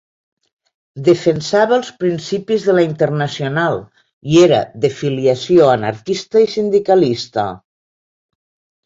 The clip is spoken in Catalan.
Defensava els principis de la Internacional i era de filiació anarquista i sindicalista.